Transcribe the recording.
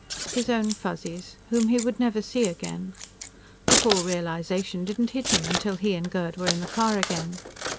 His own Fuzzies, whom he would never see again. The full realization didn't hit him until he and Gerd were in the car again.